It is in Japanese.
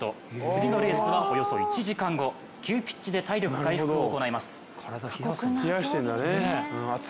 次のレースはおよそ１時間後急ピッチで体力回復を行います。